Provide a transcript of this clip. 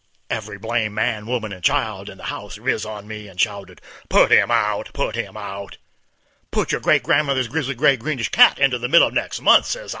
"_ Every blame man, woman and child in the house riz on me, and shouted, "Put him out! put him out!" "Put your great grandmother's grizzly gray greenish cat into the middle of next month!" I says.